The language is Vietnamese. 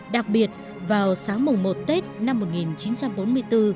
đặc biệt vào sáng mùng một tết năm một nghìn chín trăm bốn mươi bốn